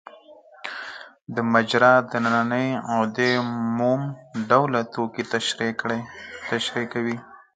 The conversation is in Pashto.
د مجرا د نني غدې موم ډوله توکي ترشح کوي.